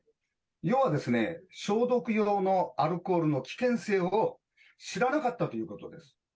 要は消毒用のアルコールの危険性を知らなかったということです。